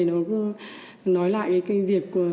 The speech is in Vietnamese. nó nói lại cái việc